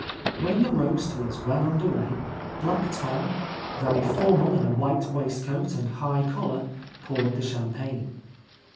When the roast was well under way. Black Tom, very formal in a white waistcoat and high collar, poured the champagne.